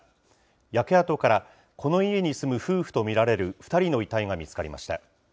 焼け跡から、この家に住む夫婦と見られる２人の遺体が見つかりました。